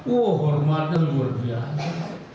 oh hormatnya luar biasa